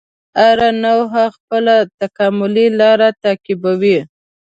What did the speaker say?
هره نوعه خپله تکاملي لاره تعقیبوي.